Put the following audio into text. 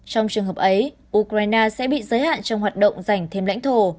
trong trường hợp ấy ukraine sẽ bị giới hạn trong hoạt động giành thêm lãnh thổ